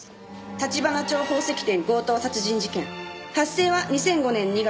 「橘町宝石店強盗殺人事件」発生は２００５年２月。